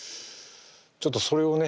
ちょっとそれをね